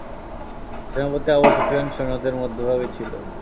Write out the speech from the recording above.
সেনাপতি Abu Sufyan সৈন্যদের মধ্যভাগে ছিল।